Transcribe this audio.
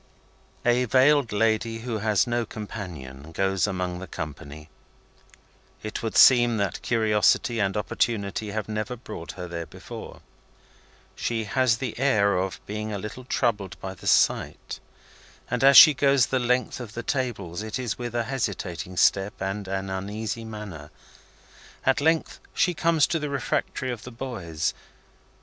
A veiled lady, who has no companion, goes among the company. It would seem that curiosity and opportunity have never brought her there before. She has the air of being a little troubled by the sight, and, as she goes the length of the tables, it is with a hesitating step and an uneasy manner. At length she comes to the refectory of the boys.